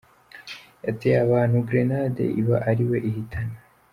Yateye abantu ’gerenade’ iba ari we ihitana